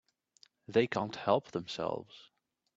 They can't help themselves.